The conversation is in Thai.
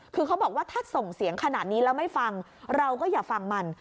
คือเขาบอกว่าถ้าส่งเสียงขนาดนี้แล้วไม่ฟังเราก็อย่าฟังมัน